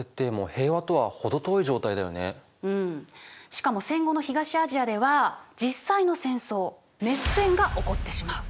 しかも戦後の東アジアでは実際の戦争熱戦が起こってしまう。